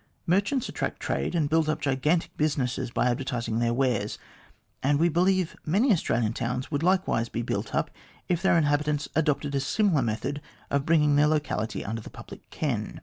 Merchants attract trade and build up gigantic businesses by advertising their wares, and we believe many Australian towns would likewise be built up, if their in habitants adopted a similar method of bringing their locality under the public ken.